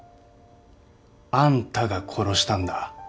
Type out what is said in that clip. あんたが殺したんだ。